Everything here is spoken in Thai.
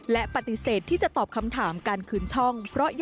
และปฏิเสธที่จะตอบคำถามการคืนช่อง